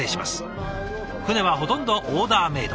船はほとんどオーダーメード。